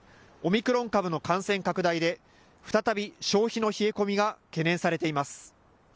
オミクロン株の感染拡大で再び消費の冷え込みが懸念されています。